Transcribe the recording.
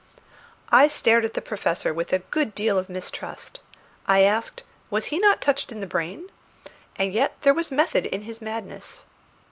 I stared at the Professor with a good deal of mistrust. I asked, was he not touched in the brain? And yet there was method in his madness.